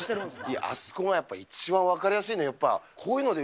いや、あそこがやっぱり一番分かりやすいの。